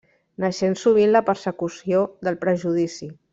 Naixent sovint la persecució del prejudici.